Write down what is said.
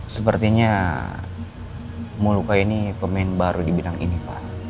sepertinya muluka ini pemain baru di bidang ini pak